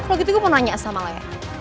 oke kalau gitu gue mau nanya sama le